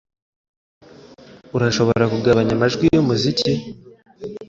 Urashobora kugabanya amajwi yumuziki?